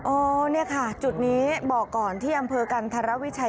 อ๋อเนี่ยค่ะจุดนี้บอกก่อนที่อำเภอกันธรวิชัย